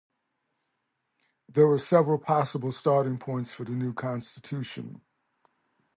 There were several possible starting points for the new constitution.